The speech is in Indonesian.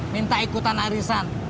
minta ikutan arisan